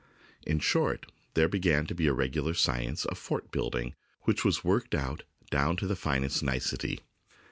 In short, there began to be a regular science of fort building, which was worked out down to the finest nicety.